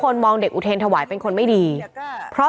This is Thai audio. ก็เป็นสถานที่ตั้งมาเพลงกุศลศพให้กับน้องหยอดนะคะ